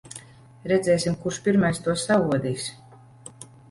Redzēsim, kurš pirmais to saodīs.